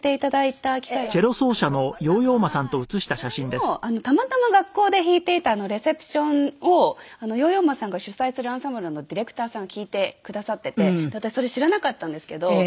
それもたまたま学校で弾いていたレセプションをヨーヨー・マさんが主催するアンサンブルのディレクターさんが聴いてくださってて私それ知らなかったんですけど。